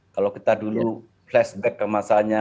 kalau kita dulu flashback ke masanya